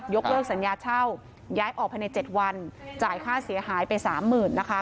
เลิกสัญญาเช่าย้ายออกภายใน๗วันจ่ายค่าเสียหายไปสามหมื่นนะคะ